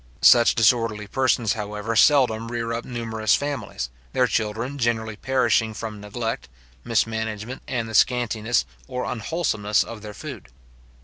Such disorderly persons, however, seldom rear up numerous families, their children generally perishing from neglect, mismanagement, and the scantiness or unwholesomeness of their food.